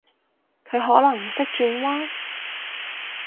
佢可能識轉彎？